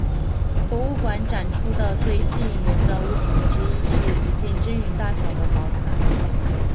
博物馆展出的最吸引人的物品之一是一件真人大小的宝塔。